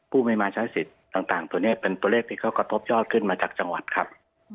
ผู้ไม่มาใช้สิทธิ์ต่างตัวนี้เป็นตัวเลขที่เขากระทบยอดขึ้นมาจากจังหวัดครับ